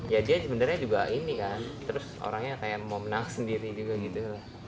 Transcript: ya dia sebenarnya juga ini kan terus orangnya kayak mau menang sendiri juga gitu